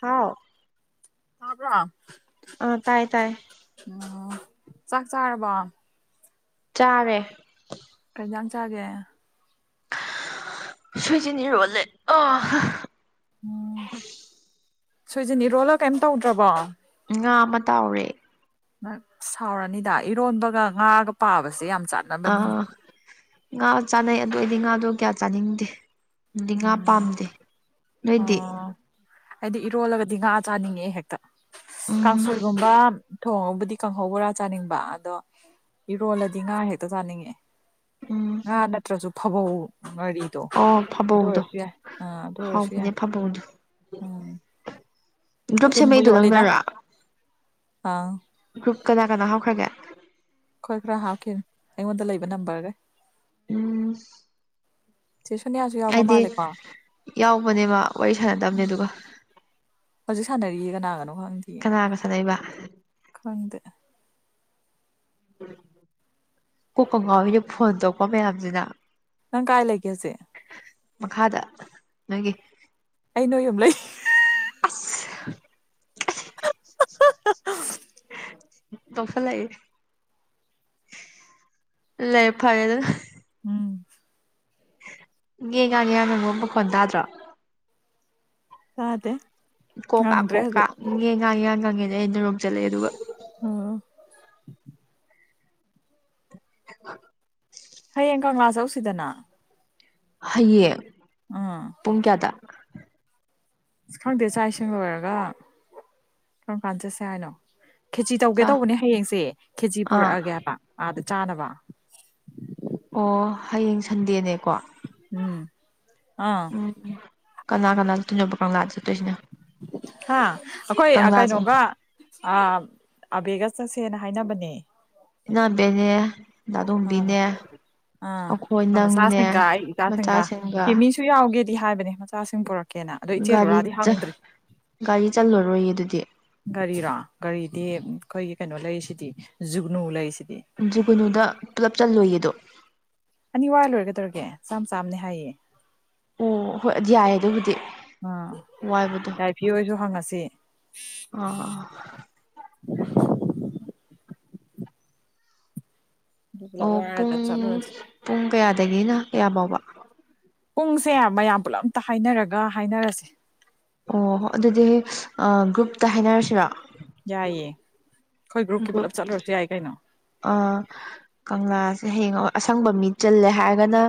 ꯍꯥꯎ ꯇꯥꯕ꯭ꯔꯥ ꯑ ꯇꯥꯏ ꯇꯥꯏ ꯎꯝ ꯆꯥꯛ ꯆꯥꯔꯕ ꯆꯥꯔꯦ ꯀꯩ ꯏꯟꯖꯥꯡ ꯆꯥꯒꯦ ꯁꯨꯏꯖꯅꯤ ꯔꯕꯣꯜ ꯂꯦ ꯑ ꯎꯝ ꯁꯣꯏꯖꯤꯟ ꯏꯔꯣꯜꯂ ꯀꯩꯝ ꯇꯧꯗ꯭ꯔꯕꯣ ꯉꯥ ꯑꯃ ꯇꯥꯎꯔꯦ ꯅ ꯍꯥꯎꯔꯅꯤꯗ ꯏꯔꯣꯟꯕꯒ ꯉꯥꯒ ꯄꯥꯕꯁꯦ ꯌꯥꯝ ꯆꯥꯠ ꯑꯥ ꯉꯥ ꯆꯥꯅꯩ ꯑꯗꯨ ꯑꯣꯏꯏꯗꯤ ꯉꯥꯗꯣ ꯀꯌꯥ ꯆꯥꯅꯤꯡꯗꯦ ꯗꯤ ꯉꯥ ꯎꯝ ꯄꯥꯝꯗꯦ ꯅꯣꯏꯗꯤ ꯍꯥꯏꯗꯤ ꯏꯔꯣꯜꯂꯒꯗꯤ ꯉꯥ ꯆꯥꯅꯤꯡꯉꯛꯦ ꯍꯦꯛꯇ ꯎꯝ ꯀꯥꯡꯁꯣꯏꯒꯨꯝꯕ ꯊꯣꯡꯉꯕꯨꯗꯤ ꯀꯥꯡꯍꯧꯕ ꯣꯔꯥ ꯆꯥꯅꯤꯡꯕ ꯑꯗꯣ ꯏꯔꯣꯜꯂꯗꯤ ꯉꯥ ꯍꯦꯛꯇ ꯆꯥꯅꯤꯡꯉꯦ ꯎꯝ ꯉꯥ ꯅꯠꯇ꯭ꯔꯁꯨ ꯐꯕꯧ ꯉꯥꯔꯤꯗꯣ ꯑꯣ ꯑꯗꯨ ꯑꯣꯏꯔꯁꯨ ꯌꯥꯏ ꯑꯥ ꯑꯗꯨ ꯑꯣꯏꯔꯁꯨ ꯌꯥꯏ ꯑꯦ ꯐꯕꯗꯨ ꯎꯝ ꯇꯤꯟꯕꯨ ꯌꯣꯠꯂꯤꯗ ꯑꯥ ꯭ꯔꯨꯞ ꯀꯅꯥ ꯀꯅꯥ ꯍꯥꯞꯈ꯭ꯔꯒꯦ ꯈꯣꯏ ꯈꯔ ꯍꯥꯞꯈꯤꯕꯅꯦ ꯑꯩꯉꯣꯟꯗ ꯂꯩꯕ ꯅꯝꯕꯔꯒꯩ ꯎꯝ ꯏꯆꯦ ꯁꯣꯅꯤꯌꯥ ꯑꯩꯗꯤ ꯌꯥꯎꯕꯅꯦꯕ ꯋꯥꯔꯤ ꯁꯥꯟꯅꯗꯕꯅꯦ ꯑꯗꯨꯒ ꯍꯧꯖꯤꯛ ꯁꯥꯟꯅꯔꯤꯁꯤ ꯀꯅꯥꯒꯅꯣ ꯈꯪꯗꯦ ꯀꯅꯥꯒ ꯆ ꯂꯩꯩꯕ ꯈꯗ ꯀꯣ ꯀꯉꯥꯎꯣꯏꯅ ꯐꯣꯟ ꯇꯧꯀꯣ ꯃꯌꯥꯝꯁꯤꯅ ꯅꯪ ꯀꯥꯏ ꯂꯩꯒꯦꯁꯦ ꯃꯈꯥꯗ ꯅꯣꯏꯒꯤ ꯑꯩ ꯅꯣꯏ ꯌꯨꯝ ꯂꯩ ꯑꯁ [unintelligible] ꯇꯧ ꯁꯜꯂꯛꯏ ꯂꯩ ꯐꯔꯦ ꯑꯗꯨ ꯎꯝ ꯉꯦ ꯉꯥꯅꯦ ꯌꯥꯝꯅ ꯑꯃ ꯃꯈꯣꯟ ꯇꯥꯗ꯭ꯔꯣ ꯑꯗꯦ ꯀꯣꯛ ꯀꯥ ꯀꯣꯛꯀꯥ ꯌꯦꯟ ꯉꯥꯡ ꯌꯥꯟ ꯉꯪꯉꯦꯅ ꯑꯩꯅ ꯔꯣꯝ ꯆꯠꯂꯛꯑꯦ ꯑꯗꯨꯒ ꯎꯝ ꯍ ꯍꯌꯦꯡ ꯀꯪꯂꯥ ꯆꯧꯁꯤꯗꯅ ꯍꯌꯦꯡ ꯑꯥ ꯄꯨꯡ ꯀꯌꯥꯗ ꯑ ꯈꯪꯗꯦ ꯆꯥꯛ ꯏꯁꯤꯡ ꯂꯣꯏꯔꯒ ꯀꯔꯝ ꯀꯥꯟ ꯆꯠꯁꯦ ꯍꯥꯏꯅꯣ ꯈꯦꯆꯤ ꯇꯧꯒꯦ ꯆꯥ ꯇꯧꯕꯅꯦ ꯍꯌꯦꯡꯁꯦ ꯈꯦꯆꯤ ꯑꯥ ꯄꯨꯔꯛꯑꯒꯦ ꯍꯥꯏꯕ ꯑꯥꯗ ꯆꯥꯅꯕ ꯑꯣ ꯍꯌꯦꯡ ꯁꯟꯗꯦꯅꯦꯀꯣ ꯎꯝ ꯑꯥ ꯎꯝ ꯎꯝ ꯀꯅꯥ ꯀꯅꯥ ꯆꯠꯇ‌ꯣꯏꯅ‌ꯣꯕ ꯀꯪꯂꯥꯗ ꯆꯠꯇꯣꯏꯁꯤꯅ ꯍꯥ ꯑꯩꯈꯣꯏ ꯀꯪꯂꯥꯁꯦ ꯀꯩꯅꯣꯒ ꯑ ꯑꯕꯦꯒ ꯆꯠꯁꯦꯅ ꯍꯥꯏꯅꯕꯅꯦ ꯅꯥꯟꯕꯦꯅꯦ ꯑꯥ ꯗꯥꯗꯣꯝꯕꯤꯅꯦ ꯑꯥ ꯑꯩꯈꯣꯏ ꯅꯪꯅꯦ ꯃꯆꯥꯁꯤꯡꯒ ꯨ ꯌꯥꯎꯒꯦꯗꯤ ꯍꯥꯏꯕꯅꯦ ꯃꯆꯥꯁꯤꯡ ꯄꯨꯔꯛꯀꯦꯅ ꯑꯗꯣ ꯏꯆꯦꯜ ꯒꯥꯔꯤ ꯂꯨꯔꯥꯗꯤ ꯆ ꯍꯪꯗ꯭ꯔꯤ ꯒꯥꯔꯤ ꯆꯜꯂꯔꯣꯏꯌꯦ ꯑꯗꯨꯗꯤ ꯒꯥꯔꯤꯔꯣ ꯒꯥꯔꯤꯗꯤ ꯑꯩꯈꯣꯏꯒꯤ ꯀꯩꯅꯣ ꯂꯩꯔꯤꯁꯤꯗꯤ ꯖꯨꯒꯅꯨ ꯂꯩꯔꯤꯁꯤꯗꯤ ꯖꯒꯨꯅꯨꯗ ꯄꯨꯂꯞ ꯆꯜꯂꯨꯌꯦꯗꯣ ꯑꯅꯤ ꯋꯥꯏ ꯂꯣꯏꯔꯒꯗꯧꯔꯒꯦ ꯆꯥꯝ ꯆꯥꯝꯅꯦ ꯍꯥꯏꯌꯦ ꯑꯣ ꯍꯣꯏ ꯌꯥꯏ ꯑꯗꯨꯕꯨꯗꯤ ꯑꯥ ꯋꯥꯏꯕꯗꯣ ꯌꯥꯏꯐꯤ ꯑꯣꯏꯁꯨ ꯍꯪꯉꯁꯤ ꯑꯣ ꯑꯗꯨ ꯄꯨꯂꯞ ꯑꯣ ꯋꯥꯏꯔꯒ ꯄꯨꯡ ꯆꯠꯂꯨꯔꯁꯤ ꯄꯨꯡ ꯀꯌꯥꯗꯒꯤꯅ ꯀꯌꯥ ꯐꯥꯎꯕ ꯄꯨꯡꯁꯦ ꯃꯌꯥꯝ ꯄꯨꯂꯞ ꯑꯇ ꯍꯥꯏꯅꯔꯒ ꯍꯥꯏꯅꯔꯁꯦ ꯑꯣꯣ ꯑꯗꯨꯗꯤ ꯒ꯭ꯔꯨꯞꯇ ꯍꯥꯏꯅꯔꯁꯤꯔ ꯌꯥꯏꯌꯦ ꯑꯩꯈꯣꯏ ꯒ꯭ꯔꯨꯞꯀꯤ ꯄꯨꯂꯞ ꯆꯠꯂꯨꯔꯁꯨ ꯌꯥꯏ ꯀꯩꯅꯣ ꯑꯥ ꯀꯪꯂꯥꯁꯦ ꯍꯌꯦꯡ ꯑꯁꯪꯕ ꯃꯤ ꯆꯜꯂꯦ ꯍꯥꯏꯔꯒꯅ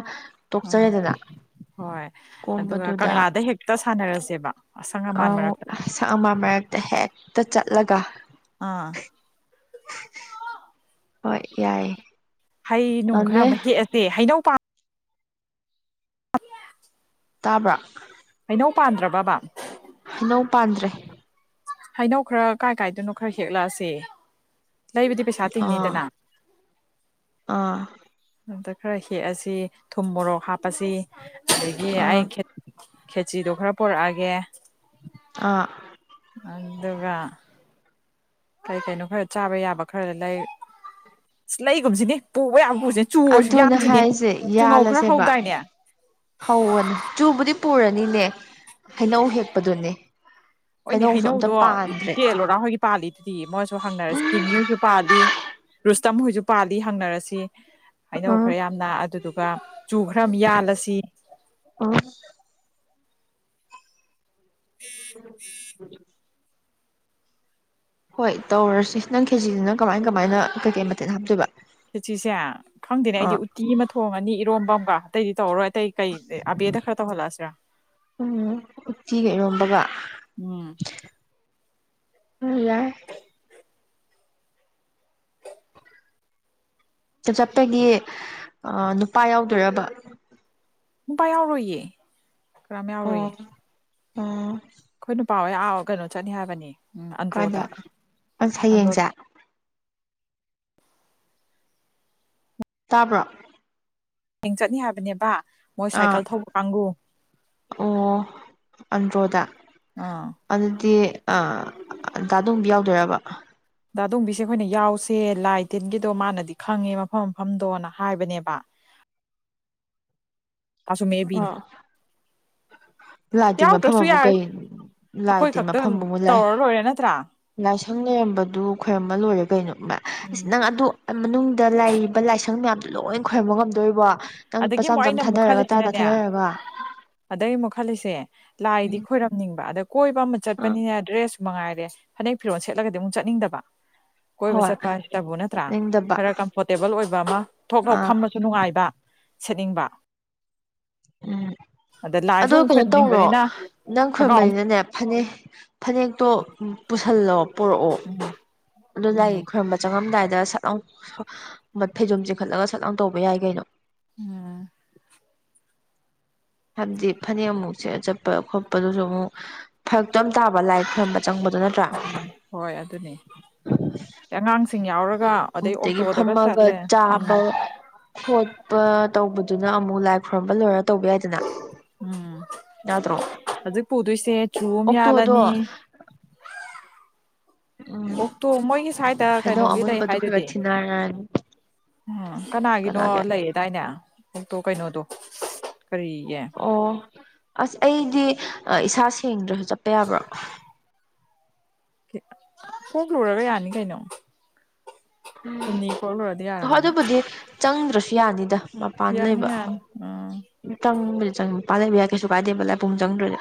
ꯑꯥ ꯀꯣꯛꯆꯔꯦꯗꯅ ꯍꯣꯏ ꯑꯗꯨꯒ ꯀꯪꯂꯥꯗ ꯍꯦꯛꯇ ꯁꯥꯟꯅꯔꯁꯦꯕ ꯑꯁꯪ ꯑꯃꯥꯟ ꯃꯔꯛꯇ ꯁꯛ ꯑꯃ ꯃꯔꯛꯇ ꯍꯦꯛꯇ ꯆꯠꯂꯒ ꯑꯥ ꯍꯣꯏ ꯌꯥꯏ ꯍꯩ ꯅꯨꯡ ꯈꯔ ꯑꯃ ꯍꯦꯛꯑꯁꯦ ꯍꯩꯅꯧ [inaudible] ꯇꯥꯕ꯭ꯔꯥ ꯍꯩꯅꯧ ꯄꯥꯟꯗ꯭ꯔꯕꯕ ꯍꯩꯅꯧ ꯄꯥꯟꯗ꯭ꯔꯦ ꯍꯩꯅꯧ ꯈꯔ ꯀꯥꯏ ꯀꯥꯏꯗꯅꯣ ꯈꯔ ꯍꯦꯛꯂꯛꯑꯁꯦ ꯂꯩꯕꯗꯤ ꯄꯩꯁꯥ ꯑꯥ ꯇꯤꯡꯅꯤꯗꯅ ꯑꯥ ꯑꯝꯇ ꯈꯔ ꯍꯦꯛꯑꯁꯤ ꯊꯨꯝ ꯃꯣꯔꯣꯛ ꯍꯥꯞꯄꯁꯤ ꯑꯗꯒꯤ ꯑꯥ ꯑꯩ ꯈꯦꯆꯤꯗꯣ ꯈꯔ ꯄꯔꯛꯑꯒꯦ ꯑꯥ ꯑꯗꯨꯒ ꯀꯩ ꯀꯩꯅꯣ ꯈꯔ ꯆꯥꯕ ꯌꯥꯕ ꯈꯔ ꯂꯩ ꯑ ꯂꯩꯒꯨꯝꯁꯤꯅꯦ ꯄꯨꯕ ꯌꯥꯝ ꯄꯨꯁꯤ ꯆꯨꯨꯔꯁꯨ ꯑꯗꯨꯅ ꯌꯥꯝꯁꯤꯅꯦ ꯍꯥꯏꯁꯦ ꯆꯨꯉꯧ ꯈꯔ ꯍꯧꯗꯥꯏꯅꯦ ꯍꯧꯔꯅꯤ ꯆꯨꯕꯨꯗꯤ ꯄꯨꯔꯅꯤꯅꯦ ꯍꯩꯅꯧ ꯍꯦꯛꯄꯗꯨꯅꯦ ꯍꯣꯏꯅꯦ ꯍꯩꯅꯧꯁꯨ ꯑꯝꯇ ꯍꯩꯅꯧꯗꯣ ꯄꯥꯟꯗ꯭ꯔꯦ ꯏꯕꯤꯆꯦ ꯂꯣꯔꯥ ꯍꯣꯏꯒꯤ ꯄꯥꯜꯂꯤ ꯑꯗꯨꯗꯤ ꯃꯣꯏꯁꯨ ꯍꯪꯅꯔꯁꯤ ꯀꯤꯃꯤꯍꯣꯏꯁꯨ ꯄꯥꯜꯂꯤ ꯔꯨꯁꯇꯝ ꯍꯣꯏꯁꯨ ꯄꯥꯜꯂꯤ ꯍꯪꯅꯔꯁꯤ ꯍꯥꯏꯩꯅꯧ ꯑꯥ ꯈꯔ ꯌꯥꯝꯅ ꯑꯗꯨꯗꯨꯒ ꯆꯨ ꯈꯔ ꯑꯃ ꯌꯥꯜꯂꯁꯤ ꯑꯣ ꯎ ꯍꯣꯏ ꯇꯧꯔꯁꯤ ꯅꯪ ꯈꯦꯖꯤꯁꯤ ꯅꯪ ꯀꯃꯥꯏ ꯀꯃꯥꯏꯅ ꯀꯩꯀꯩ ꯃꯇꯦꯜ ꯍꯥꯝꯆꯣꯏꯕ ꯆꯁꯦ ꯈꯪꯗꯦꯅꯦ ꯑꯩꯗꯤ ꯎꯠꯇꯤ ꯑꯃ ꯊꯣꯡꯉꯅꯤ ꯏꯔꯣꯝꯝꯕ ꯑꯃꯒ ꯑꯇꯩꯗꯤ ꯇꯧꯔꯔꯣꯏ ꯑꯇꯩ ꯀꯩ ꯑꯕꯦꯗ ꯈꯔ ꯇꯧꯍꯜꯂꯛꯑꯁꯤꯔꯥ ꯎꯝ ꯎꯇꯤꯒ ꯏꯔꯣꯝꯕꯒ ꯎꯝ ꯑ ꯆꯠꯄꯒꯤ ꯅꯨꯄꯥ ꯌꯥꯎꯗꯣꯏꯔꯕ ꯅꯨꯄꯥ ꯌꯥꯎꯔꯣꯏꯌꯦ ꯀꯔꯝ ꯑꯣ ꯌꯥꯎꯔꯣꯏꯌꯦ ꯑꯣ ꯑꯩꯈꯣꯏ ꯅꯨ ꯄꯥꯎ ꯍ ꯑ ꯀꯩꯅꯣ ꯆꯠꯅꯤ ꯍꯥꯏꯕꯅꯤ ꯎꯝ ꯀꯗ ꯑꯟꯗ꯭ꯔꯣꯗ ꯑꯟꯗ꯭ꯔꯣ ꯁꯌꯦꯡꯁꯦ ꯇꯥꯕ꯭ꯔꯥ ꯍꯌꯦꯡ ꯆꯠꯅꯤ ꯍꯥꯏꯕꯅꯦꯕ ꯃꯣꯏ ꯑꯥ ꯁꯥꯏꯀꯜ ꯊꯧꯕ ꯀꯥꯡꯕꯨ ꯑꯣ ꯑꯟꯗ꯭ꯔꯣꯗ ꯑꯥ ꯑꯗꯨꯗꯤꯥꯗꯣꯡꯕ ꯌꯥꯎꯗꯣꯏꯔꯕ ꯗꯗꯣꯝꯕꯤꯁꯦ ꯑꯩꯈꯣꯏꯅ ꯌꯥꯎꯁꯦ ꯂꯥꯏ ꯇꯤꯟꯒꯤꯗꯣ ꯃꯥꯅꯗꯤ ꯈꯪꯉꯦ ꯃꯐꯝ ꯃꯐꯝꯗꯣꯅ ꯍꯥꯏꯕꯅꯦꯕ ꯑꯁꯨ ꯃꯕꯤ ꯑꯥ ꯂꯥꯏ ꯇꯤꯟ ꯃꯐꯝ ꯌꯥꯎꯗ꯭ꯔꯁꯨ ꯑꯃꯕꯨ ꯌꯥꯏ ꯀꯩ ꯂꯥꯏ ꯑꯩꯈꯣꯏ ꯇꯤꯟ ꯈꯛꯇꯪ ꯃꯐꯝꯕꯨ ꯃꯣꯏ ꯂꯥꯏ ꯇꯧꯔ ꯂꯣꯏꯔꯦ ꯅꯠꯇ꯭ꯔꯥ ꯂꯥꯏꯁꯪ ꯂꯩꯔꯝꯕꯗꯨ ꯈꯔꯝꯕ ꯂꯣꯏꯔꯦ ꯀꯩꯅꯣꯕ ꯑ ꯎꯝ ꯅꯪ ꯑꯗꯨ ꯃꯅꯨꯡꯗ ꯂꯩꯔꯤꯕ ꯂꯥꯏꯁꯪ ꯃꯌꯥꯝ ꯂꯣꯏ ꯈꯣꯏꯔꯝꯕ ꯉꯝꯗꯣꯔꯤꯕꯣ ꯅꯪꯄꯥꯆꯥꯝ ꯃꯆꯥꯝ ꯊꯥꯗꯔꯒ ꯇꯔꯥ ꯇꯔꯥ ꯅꯅꯦ ꯊꯥꯗꯔꯒ ꯑꯗꯩ ꯑꯃꯨꯛ ꯈꯜꯂꯤꯁꯦ ꯂꯥꯏꯗꯤ ꯈꯣꯏꯔꯝꯅꯤꯡꯕ ꯑꯗ ꯀꯣꯏꯕ ꯑꯃ ꯑꯥ ꯆꯠꯄꯅꯤꯅꯦ ꯗ꯭ꯔꯦꯁꯁꯨ ꯃꯉꯥꯏꯔꯦ ꯐꯅꯦꯛ ꯐꯤꯔꯣꯜ ꯁꯦꯠꯂꯒꯗꯤ ꯑꯃꯨꯛ ꯆꯠꯅꯤꯡꯗꯕ ꯀꯣꯏꯕ ꯍꯣꯏ ꯆꯠꯄ ꯍꯥꯏꯁꯤꯇꯕꯨ ꯅꯠꯇ꯭ꯔꯥ ꯆꯠꯅꯤꯡꯗꯕ ꯈꯔ ꯀꯝꯐꯣꯔꯇꯦꯕꯜ ꯑꯣꯏꯕ ꯑꯃ ꯊꯣꯛ ꯊꯣꯛꯣꯛ ꯑꯥ ꯐꯝꯕꯁꯨ ꯅꯨꯡꯉꯥꯏꯕ ꯁꯦꯠꯅꯤꯡꯕ ꯎꯝ ꯑꯗ ꯂꯥꯏꯁꯨ ꯑꯗꯨ ꯑꯃꯨꯛ ꯀꯩꯅꯣ ꯇꯧꯔꯣ ꯈꯣꯏꯔꯝꯅꯤꯡꯕꯅꯤꯅ ꯅꯪ ꯈꯣꯡꯒ꯭ꯔꯥꯎ ꯑꯃ ꯈꯣꯏꯕꯔꯤꯗꯅꯦ ꯐꯅꯤꯦꯛ ꯐꯅꯦꯛꯇꯣ ꯄꯨꯁꯜꯂꯣ ꯄꯨꯔꯛꯑꯣ ꯑꯗꯨ ꯂꯥꯛꯒꯤ ꯈꯔꯝꯕ ꯆꯪꯉꯝꯗꯥꯏꯗ ꯁꯠꯂꯥꯡ ꯐꯩꯖꯣꯝ ꯆꯤꯡꯈꯠꯂꯒ ꯁꯠꯂꯥꯡ ꯇꯧꯕ ꯌꯥꯏ ꯀꯩꯅꯣ ꯑꯝ ꯍꯥꯏꯕꯗꯤ ꯐꯅꯦꯛꯃꯨꯛꯁꯦ ꯆꯠꯄ ꯈꯣꯠꯄꯗꯨꯁꯨ ꯑꯃꯨꯛ ꯐꯔꯛꯇꯣ ꯑꯃ ꯇꯥꯕ ꯂꯥꯏ ꯈꯝꯕ ꯆꯪꯕꯗꯨ ꯅꯠꯇ꯭ꯔꯥ ꯍꯣꯏ ꯑꯗꯨꯅꯤ ꯑꯉꯥꯡꯁꯤꯡ ꯌꯥꯎꯔꯒ ꯑꯗꯩ ꯑꯗꯒꯤ ꯑꯣꯛꯇꯣꯗꯒ ꯐꯝꯃꯒ ꯆꯠꯂꯦ ꯎꯝ ꯆꯥꯕ ꯈꯣꯠꯄ ꯇꯧꯕꯗꯨꯅ ꯑꯃꯨꯛ ꯂꯥꯏ ꯈꯨꯔꯨꯝꯝꯕ ꯂꯣꯏꯔ ꯇꯧꯕ ꯌꯥꯏꯗꯅ ꯎꯝ ꯌꯥꯗ꯭ꯔꯣ ꯍꯧꯖꯤꯛ ꯄꯨꯗꯣꯏꯁꯦ ꯆꯨꯨꯝ ꯌꯥꯜꯂꯅꯤ ꯑꯣꯛꯇꯣꯗꯣ ꯑꯣꯛꯇꯣ ꯃꯣꯏꯒꯤ ꯁ꯭ꯥꯏꯗ ꯍꯥꯏꯩꯅꯧ ꯑꯃꯨꯟꯕꯗꯨ ꯈꯔ ꯈ ꯊꯤꯟꯅꯔꯅꯤ ꯎ ꯀꯅꯥꯒꯤꯅꯣ ꯀꯅꯥꯒꯤ ꯂꯩꯌꯦ ꯑꯗꯨꯗꯥꯏꯅꯦ ꯑꯣꯛꯇꯣ ꯀꯩꯅꯣꯗꯣ ꯀꯔꯤꯒꯤ ꯑꯣ ꯑꯁ ꯑꯩꯗꯤ ꯏꯁꯥ ꯁꯦꯡꯗ꯭ꯔꯁꯨ ꯆꯠꯄ ꯌꯥꯕ꯭ꯔꯣ ꯍꯣꯛꯂꯒ ꯌꯥꯅꯤ ꯀꯩꯅꯣ ꯍꯨꯝꯅꯤ ꯄꯣꯛꯂꯨꯔꯗꯤ ꯎꯝ ꯌꯥꯔꯝꯃꯅꯤ ꯑꯗꯨꯕꯨꯗꯤ ꯆꯪꯗ꯭ꯔꯁꯨ ꯌꯥꯅꯤꯗ ꯃꯄꯥꯟ ꯌꯥꯅꯤ ꯂꯩꯕ ꯌꯥꯅꯤ ꯑꯥ ꯆꯪꯕꯗ ꯆꯪ ꯃꯄꯥꯟ ꯂꯩꯕ ꯌꯥꯏ ꯀꯩꯁꯨ ꯀꯥꯏꯗꯦꯕ ꯂꯥꯏꯄꯨꯡ ꯆꯪꯗ꯭ꯔꯣꯏꯗ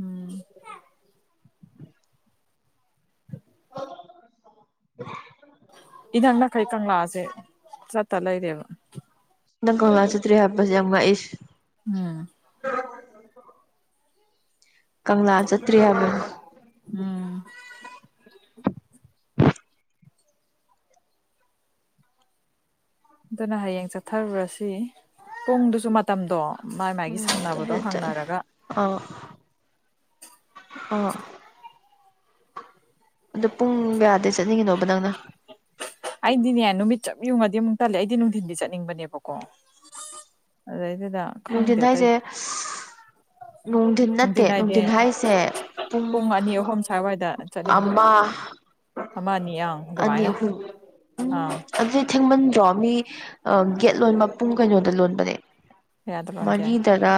ꯎꯝ ꯑ ꯏꯅꯛ ꯅꯥꯈꯩ ꯀꯪꯂꯥꯁꯦ ꯆꯠꯇ ꯂꯩꯔꯦꯕ ꯅꯪ ꯀꯣꯂ ꯆꯇ꯭ꯔꯤ ꯍꯥꯞꯄꯁꯦ ꯌꯥꯝꯨꯛ ꯑꯩ ꯎꯝ ꯀꯪꯂꯥ ꯆꯠꯇ꯭ꯔꯤ ꯍꯥꯏꯕꯅꯤ ꯎꯝ ꯑꯗꯨꯅ ꯍꯌꯦꯡ ꯆꯠꯊꯔꯨꯔꯁꯤ ꯄꯨꯡꯗꯨꯁꯨ ꯃꯇꯝꯗꯣ ꯃꯥꯏ ꯃꯥꯏꯒꯤ ꯎꯝ ꯁꯥꯟꯅꯕꯗꯣ ꯆꯠꯂꯦ ꯆꯠꯂꯦ ꯍꯪꯅꯔꯒ ꯑꯥ ꯑꯥ ꯑꯗꯨꯣ ꯄꯨꯡ ꯀꯌꯥꯗꯩ ꯆꯠꯅꯤꯡꯉꯤꯅꯣꯕ ꯅꯪꯅ ꯑꯩꯗꯤꯅꯦ ꯅꯨꯃꯤꯠ ꯆꯞ ꯌꯨꯡꯉꯗꯤ ꯑꯃꯨꯛ ꯇꯜꯂꯦ ꯑꯩꯗꯤ ꯅꯨꯡꯊꯤꯟꯗꯤ ꯆꯠꯅꯤꯡꯕꯅꯦꯕꯀꯣ ꯗ ꯅꯨꯡꯊꯤꯟ ꯍꯥꯏ ꯍꯥꯏꯁꯦ ꯅꯨꯡꯊꯤꯟ ꯅꯥꯏꯗꯦ ꯄꯨꯡ ꯑꯅꯤ ꯑꯍꯨꯝ ꯁ꯭ꯋꯥꯏꯋꯥꯏꯗ ꯆꯠꯅꯤꯡꯕ ꯑꯃ ꯑꯃꯅꯤ ꯑꯅꯤ ꯑꯪ ꯑꯅꯤ ꯑꯗꯨꯃꯥꯏꯅ ꯑꯍꯨꯝ ꯎꯝ ꯑꯪ ꯑꯗꯨꯗꯤ ꯊꯦꯡꯃꯟꯗ꯭ꯔꯣ ꯃꯤ ꯒꯦꯠ ꯂꯣꯟ ꯃꯄꯨꯡ ꯀꯩꯅꯣꯗ ꯂꯣꯟꯕꯅꯦ ꯀꯌꯥꯗ ꯂꯣꯟꯒꯦ ꯃꯔꯤꯗꯔ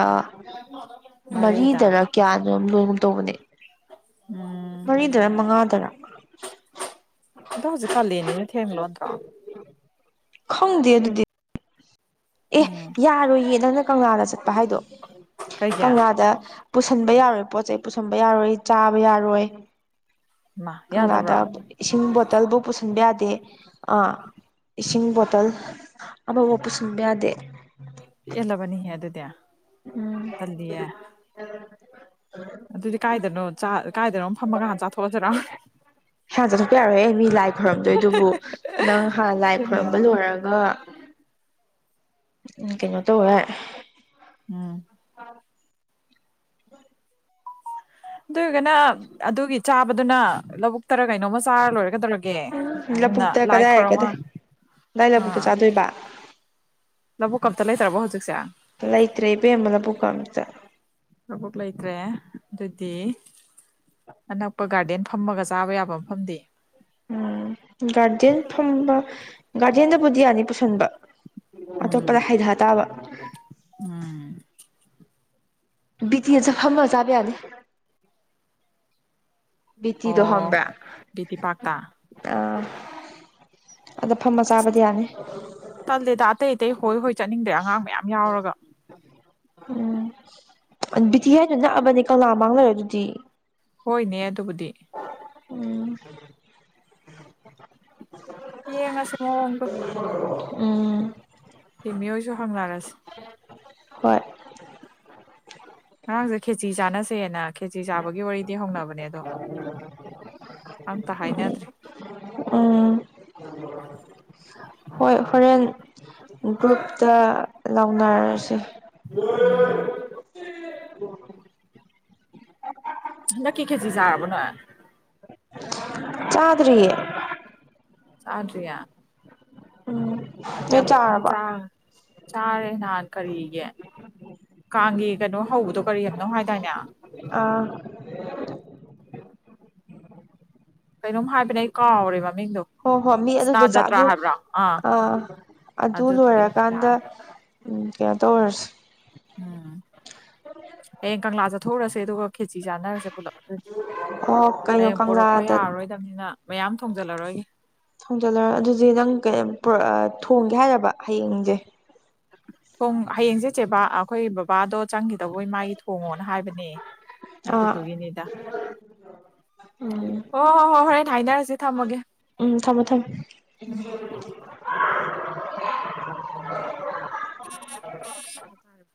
ꯃꯔꯤꯗ ꯃꯔꯤꯗꯔ ꯀꯌꯥꯅꯣ ꯂꯣꯏꯅ ꯇꯧꯕꯅꯦ ꯎꯝ ꯃꯔꯤꯗꯔ ꯃꯉꯥꯗꯔ ꯑꯗꯣ ꯍꯧꯖꯤꯛꯀ ꯀꯂꯅꯦꯅ ꯊꯦꯡꯂꯣ ꯅꯠꯇ꯭ꯔꯣ ꯈꯪꯗꯦ ꯑꯗꯨꯗꯤ ꯑꯦ ꯎꯝ ꯌꯥꯔꯣꯏꯌꯦ ꯅꯪꯅ ꯀꯪꯂꯥꯗ ꯆꯠꯄ ꯍꯥꯏꯗꯣ ꯀꯩꯒꯤ ꯀꯪꯂꯥꯗ ꯄꯨꯁꯟꯕ ꯌꯥꯔꯣꯏ ꯄꯣꯠ ꯆꯩ ꯄꯨꯁꯟꯕ ꯌꯥꯔꯣꯏ ꯆꯥꯕ ꯌꯥꯔꯣꯏ ꯃꯥ ꯀꯪꯂꯥꯗ ꯌꯥꯗꯕ꯭ꯔꯥ ꯕꯨꯗ ꯏꯁꯤꯡ ꯕꯣꯇꯜꯕꯨ ꯄꯨꯁꯤꯟꯕ ꯌꯥꯗꯦ ꯑ ꯏꯁꯤꯡ ꯕꯣꯇꯜ ꯑꯃꯕꯣ ꯄꯨꯁꯤꯟꯕ ꯌꯥꯗꯦ ꯄꯦꯜꯂꯕꯅꯤꯍꯦ ꯑꯗꯨꯗꯦ ꯎꯝ ꯑꯗꯨꯗꯤ ꯀꯥꯏꯗꯅꯣ ꯆꯥ ꯀꯥꯏꯗꯅꯣ ꯐꯝꯃꯒꯥ ꯍꯥꯟ ꯆꯥꯊꯣꯛꯑꯖꯤꯔꯥ ꯍꯌꯥ ꯆꯠꯊꯣꯛꯄ ꯌꯥꯔꯣꯏꯍꯦ ꯃꯤ ꯂꯥꯏ ꯈꯣꯏꯔꯝꯗꯣꯏꯗꯨꯕꯨ ꯅꯪꯍ ꯂꯥꯏ ꯑꯗꯨꯅꯦ ꯈꯣꯏꯔꯝꯕ ꯂꯣꯏꯔꯒ ꯎꯝ ꯀꯩꯅꯣ ꯇꯧꯋꯦꯍꯩ ꯎꯝ ꯑꯗꯨꯏꯒꯅ ꯑꯗꯨꯒꯤ ꯆꯥꯕꯗꯨꯅ ꯂꯧꯕꯨꯛꯇꯔ ꯀꯩꯅꯣꯝꯃ ꯆꯥꯔ ꯂꯣꯏꯔꯦ ꯒꯗꯧꯔꯛ ꯒꯦ ꯑꯍꯤꯝꯅ ꯂꯧꯕꯨꯛꯇ ꯀꯗꯥꯏ ꯂꯥꯏꯈꯣꯔꯝꯃ ꯀꯗꯥꯏ ꯀꯗꯥꯏ ꯍꯥ ꯂꯧꯕꯨꯛꯇ ꯆꯥꯗꯣꯏꯕ ꯂꯕꯨꯛꯀ ꯑꯝꯇ ꯂꯩꯇ꯭ꯔꯕꯣ ꯍꯧꯖꯤꯛꯁꯦ ꯂꯩꯇ꯭ꯔꯦ ꯏꯕꯦꯝꯃ ꯂꯕꯨꯛꯀ ꯑꯝꯇ ꯂꯕꯨꯛ ꯂꯩꯇ꯭ꯔꯦ ꯑꯗꯨꯗꯤ ꯑꯅꯛꯄ ꯒꯥꯔꯗꯦꯟ ꯐꯝꯃꯒ ꯆꯥꯕ ꯌꯥꯕ ꯃꯐꯝꯗꯤ ꯎꯝ ꯒꯥꯔꯗꯦꯟ ꯐꯝꯕ ꯒꯥꯔꯗꯦꯟꯗꯕꯨꯗꯤ ꯌꯥꯅꯤ ꯄꯨꯁꯟꯕ ꯎꯝ ꯑꯇꯣꯞꯄꯗ ꯍꯥꯏꯗꯍ ꯇꯥꯕ ꯎꯝ ꯕꯤꯀꯦꯁꯆ ꯐꯝꯃ ꯆꯥꯕ ꯌꯥꯅꯤ ꯕꯤꯇꯤꯗꯣ ꯑꯣ ꯍꯪꯕ꯭ꯔ ꯕꯤ ꯇꯤ ꯄꯥꯛꯇ ꯑ ꯑꯆ ꯇꯜꯂꯦꯗ ꯑꯇꯩ ꯑꯇꯩ ꯍꯣꯏ ꯍꯣꯏ ꯆꯠꯅꯤꯡꯗꯦ ꯑꯉꯥꯡ ꯃꯌꯥꯝ ꯌꯥꯎꯔꯒ ꯎꯝ ꯕꯤꯊꯤ ꯍꯥꯏꯗꯨ ꯅꯛꯑꯕꯅꯤ ꯀꯪꯂꯥ ꯃꯥꯡ ꯂꯩꯔ ꯗꯨꯗꯤ ꯍꯣꯏꯅꯦ ꯑꯗꯨꯕꯨꯗꯤ ꯎꯝ ꯌꯦꯡꯉꯁꯤ ꯃꯑꯣꯡꯗꯣ ꯎꯝ ꯔꯤꯃꯤꯍꯣꯏꯁꯨ ꯍꯪꯂꯔꯁꯤ ꯍꯣꯏ ꯉꯔꯥꯡꯁꯨ ꯈꯦꯆꯤ ꯆꯥꯅꯁꯦꯅꯛ ꯈꯦꯆꯤ ꯆꯥꯕꯒꯤ ꯋꯥꯔꯤꯗꯤ ꯍꯧꯅꯕꯅꯦ ꯑꯗꯣ ꯑꯝꯇ ꯍꯥꯏꯅꯗ꯭ꯔꯤ ꯎꯝ [unintelligible] ꯍꯣꯏ ꯍꯣꯔꯦꯟ ꯒ꯭ꯔꯨꯞꯇ ꯂꯧꯅꯔꯁꯤ [unintelligible] [unintelligible] ꯍꯗꯛꯀꯤ ꯈꯦꯖꯤ ꯖꯥꯔꯕꯣ ꯅꯣꯏ ꯆꯥꯗꯔꯤꯌꯦ ꯆꯥꯗꯔꯤꯌꯦ ꯎꯪ ꯑꯗꯤꯌꯥꯝ ꯀꯨꯝꯗꯤ ꯆꯥꯔ ꯆꯥꯔꯦ ꯅꯍꯥꯟ ꯀꯔꯤꯒꯦ ꯀꯥꯡꯒꯤ ꯀꯩꯅꯣ ꯍꯧꯕꯗꯣ ꯀꯔꯤꯝꯅꯣ ꯍꯥꯏꯗꯥꯏꯅꯦ ꯑꯥ ꯀꯩꯅꯣꯝ ꯍꯥꯏꯕꯅꯦ ꯑꯩ ꯀꯥꯎꯒꯔꯦ ꯃꯃꯤꯡꯗꯣ ꯍꯣ ꯍꯣ ꯃꯤ ꯑꯗꯨꯗꯨ ꯁ꯭ꯅꯥꯟ ꯆꯥ ꯖꯇ꯭ꯔꯥ ꯗꯨ ꯍꯥꯏꯕ꯭ꯔꯥ ꯑꯥ ꯑ ꯑꯗꯨ ꯑꯗꯨꯗꯨꯒꯤ ꯂꯣꯏꯔꯀꯥꯟꯗ ꯆꯥꯔꯦ ꯎꯝ ꯀꯩꯅꯣ ꯇꯧꯔꯨꯔꯁꯤ ꯎꯝ ꯍꯌꯦꯡ ꯀꯪꯂꯥ ꯆꯠꯊꯣꯛꯎꯔꯁꯦ ꯑꯗꯨꯒ ꯈꯦꯆꯤ ꯆꯥꯟꯅꯔꯁꯦ ꯄꯨꯂꯞ ꯑꯗꯨꯗꯤ ꯑꯣ ꯀꯩꯅꯣ ꯍꯌꯦꯡ ꯄꯣꯔꯛꯄ ꯀꯪꯂꯥꯗ ꯌꯥꯔꯔꯣꯏꯗꯝꯅꯤꯅ ꯃꯌꯥꯝ ꯊꯣꯡꯖꯜꯂꯔꯣꯏꯒꯦ ꯊꯣꯡꯖꯜꯂꯔ ꯑꯗꯨꯗꯤ ꯅꯪ ꯀꯩꯏꯝ ꯄꯨꯔꯑ ꯊꯣꯡꯒꯦ ꯍꯥꯏꯔꯕ ꯍꯌꯦꯡꯖꯦ ꯊꯣꯡ ꯍꯌꯦꯡ ꯆꯦ ꯆꯦꯕꯥ ꯑꯩꯈꯣꯏ ꯕꯕꯥꯗꯣ ꯆꯪꯈꯤꯗꯧꯕꯩ ꯃꯥꯒꯤ ꯊꯣꯡꯉꯣꯅ ꯍꯥꯏꯕꯅꯦ ꯃ ꯑꯥ ꯇꯨꯒꯅꯤꯗ ꯎꯝ ꯑꯣ ꯍꯣ ꯍꯣ ꯍꯔꯦ ꯊꯥꯏꯅꯔꯁꯤꯦ ꯊꯝꯃꯒꯦ ꯎꯝ ꯊꯝꯃꯣ ꯊꯝꯃꯣ [unintelligible]